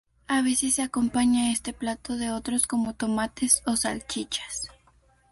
A veces se acompaña este plato de otros como tomates o salchichas.